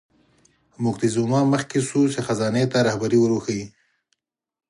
موکتیزوما مخکې شو چې خزانې ته رهبري ور وښیي.